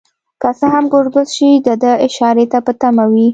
که څه ګړبړ شي دده اشارې ته په تمه وي.